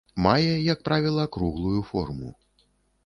Мае, як правіла, круглую форму.